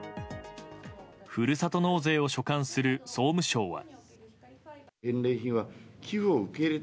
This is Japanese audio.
ふるさと納税を所管する総務省は。